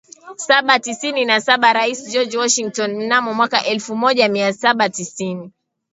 saba tisini na sabaRais George Washington mnamo mwaka elfu moja mia saba tisini